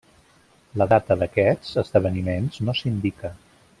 La data d'aquests esdeveniments no s'indica.